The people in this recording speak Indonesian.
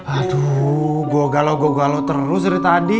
aduh gua galau gua galau terus dari tadi